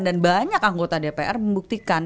dan banyak anggota dpr membuktikan